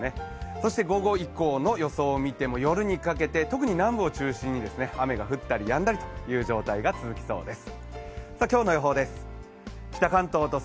そして午後以降の予想を見ると夜にかけて特に南部を中心に雨が降ったりやんだりという状態が続きそうです。